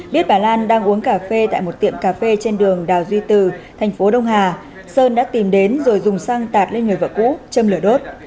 biết bà lan đang uống cà phê tại một tiệm cà phê trên đường đào duy từ thành phố đông hà sơn đã tìm đến rồi dùng xăng tạt lên người vợ cũ châm lửa đốt